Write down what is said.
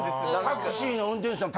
タクシーの運転手さん